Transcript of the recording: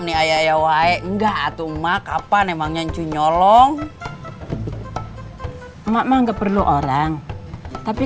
nih ayah ya wae enggak atuh mak kapan emang nyancu nyolong emak emak nggak perlu orang tapi